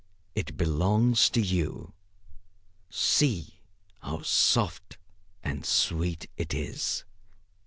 It belongs to you. See how soft and sweet it is."